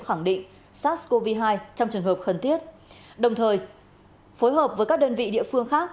khẳng định sars cov hai trong trường hợp cần thiết đồng thời phối hợp với các đơn vị địa phương khác